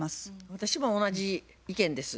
私も同じ意見です。